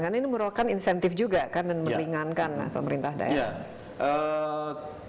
karena ini merupakan insentif juga kan dan meringankan pemerintah daerah